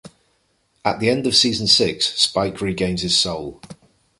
At the end of season six, Spike regains his soul.